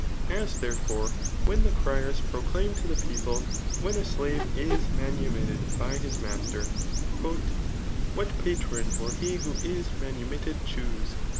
A^ Hierefere^ when the cryers proclaim to the people [wfaeh a sfatve is manumitted by his master,} *' What patron win he who is manumitted chuse?